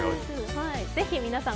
ぜひ皆さん